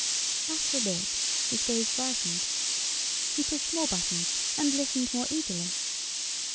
After a bit, his gaze brightened. He pushed more buttons and listened more eagerly.